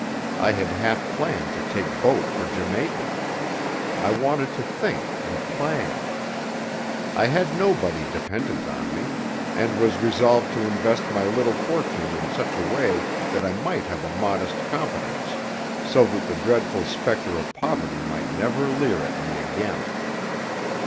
I had half planned to take boat for Jamaica. I wanted to think and plan. I had nobody dependent on me, and was resolved to invest my little fortune in such a way that I might have a modest competence, so that the dreadful spectre of poverty might never leer at me again.